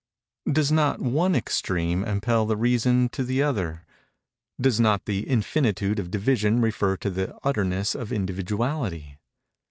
Does not one extreme impel the reason to the other? Does not the infinitude of division refer to the utterness of individuality?